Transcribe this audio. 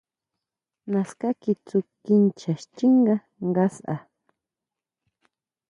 Naská kitsú kinchá xchínga ngasʼa.